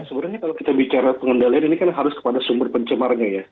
sebenarnya kalau kita bicara pengendalian ini kan harus kepada sumber pencemarnya ya